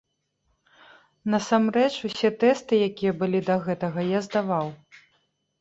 На сам рэч, усе тэсты, якія былі да гэтага, я здаваў.